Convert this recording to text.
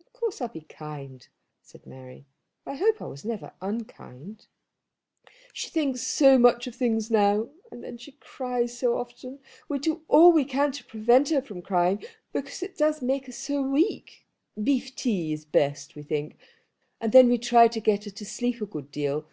"Of course I'll be kind," said Mary; "I hope I never was unkind." "She thinks so much of things now, and then she cries so often. We do all we can to prevent her from crying, because it does make her so weak. Beef tea is best, we think; and then we try to get her to sleep a good deal.